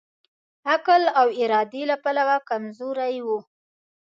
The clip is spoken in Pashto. عقل او ارادې له پلوه کمزوری وو.